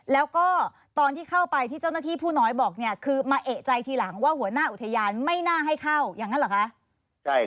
แล้วก็ตอนที่เข้าไปที่เจ้าหน้าที่ผู้น้อยบอกเนี่ยคือมาเอกใจทีหลังว่าหัวหน้าอุทยานไม่น่าให้เข้าอย่างนั้นเหรอคะ